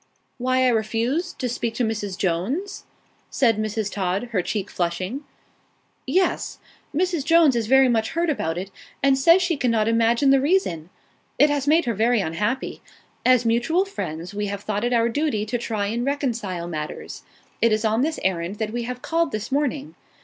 "Why I refused to speak to Mrs. Jones?" said Mrs. Todd, her cheek flushing. "Yes. Mrs. Jones is very much hurt about it, and says she cannot imagine the reason. It has made her very unhappy. As mutual friends, we have thought it our duty to try and reconcile matters. It is on this errand that we have called this morning.